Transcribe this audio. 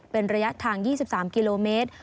เป็นระยะทาง๒๓กิโลเมตร